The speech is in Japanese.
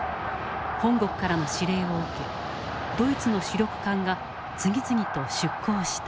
本国からの指令を受けドイツの主力艦が次々と出港した。